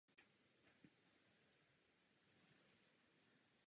Navíc nepatřičné zobecnění ve výzkumu rozpor ještě zvýšilo.